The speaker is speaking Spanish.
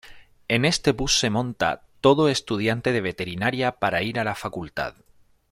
En este bus se monta todo estudiante de veterinaria para ir a la facultad.